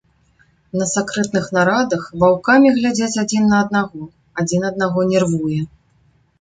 На сакрэтных нарадах ваўкамі глядзяць адзін на аднаго, адзін аднаго нервуе.